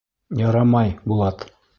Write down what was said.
Ярамай, Булат!